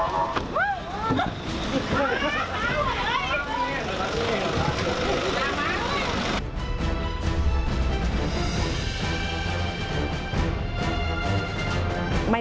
สวัสดีครับ